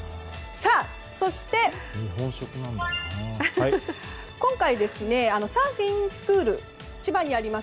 そして、今回サーフィンスクール千葉にあります